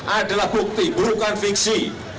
adalah bukti bukan fiksi